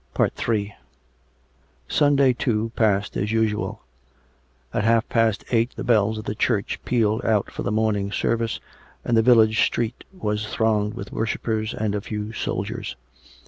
Ill Sunday, too, passed as usual. At half past eight the bells of the church pealed out for the morning service, and the village street was thronged with worshippers and a few soldiers.